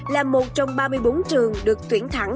là một trong ba mươi bốn trường được tuyển thẳng